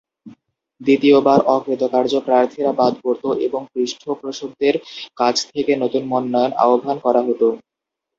দ্বিতীয়বার অকৃতকার্য প্রার্থীরা বাদ পড়ত এবং পৃষ্ঠপোষকদের কাছ থেকে নতুন মনোনয়ন আহবান করা হতো।